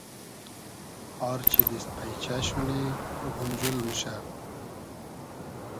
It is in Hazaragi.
آر چی دیست پݷچۂ شونی غونجول موشۂ